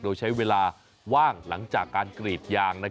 โดยใช้เวลาว่างหลังจากการกรีดยาง